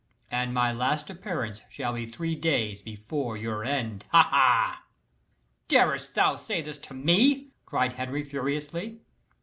And my last appearance shall he three days before your end ha! ha!" "Darest thou say this to me!" cried Henry furiously.